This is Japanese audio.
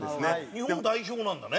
日本代表なんだね。